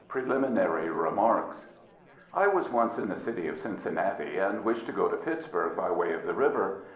PRELIMINARY REMARKS. I was once in the city of Cincinnati, and wished to go to Pittsburg by way of the river.